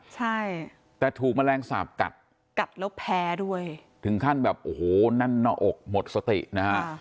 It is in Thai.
ใช่แต่ถูกแมลงสาปกัดกัดกัดแล้วแพ้ด้วยถึงขั้นแบบโอ้โหแน่นหน้าอกหมดสตินะฮะ